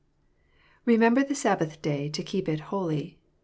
"Remember the Sabbath Day, to keep it holy."